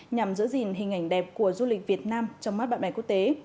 nhằm giữ gìn hình ảnh đẹp của du lịch việt nam trong mắt bạn bè quốc tế